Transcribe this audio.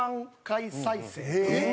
えっ！